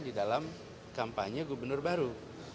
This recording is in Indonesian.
di dalam kampanye gubernur baru